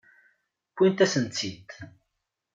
Wwint-asent-tt-id.